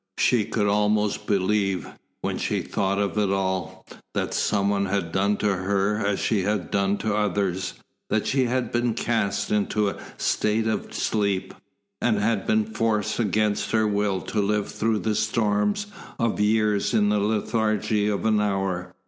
She could almost believe, when she thought of it all, that some one had done to her as she had done to others, that she had been cast into a state of sleep, and had been forced against her will to live through the storms of years in the lethargy of an hour.